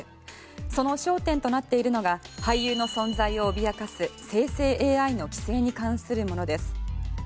その焦点となっているのが俳優の存在を脅かす生成ＡＩの規制に関するものです。